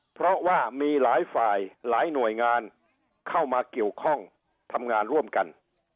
เพราะว่ามีหลายฝ่ายหลายหน่วยงานเข้ามาเกี่ยวข้องทำงานร่วมกัน